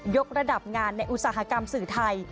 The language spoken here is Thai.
กระดับงานในอุตสาหกรรมสื่อไทย